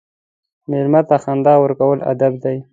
مېلمه ته خندا ورکول ادب دی.